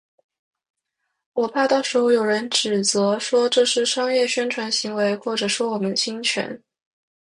我怕到时候有人指责，说这是商业宣传行为或者说我们侵权